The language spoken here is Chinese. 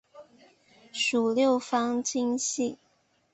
属六方晶系。